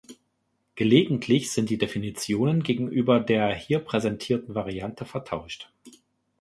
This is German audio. Gelegentlich sind die Definitionen gegenüber der hier präsentierten Variante vertauscht.